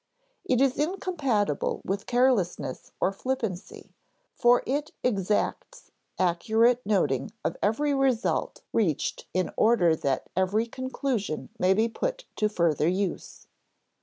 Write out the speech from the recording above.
It is incompatible with carelessness or flippancy, for it exacts accurate noting of every result reached in order that every conclusion may be put to further use.